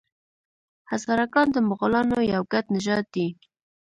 هزاره ګان د مغولانو یو ګډ نژاد دی.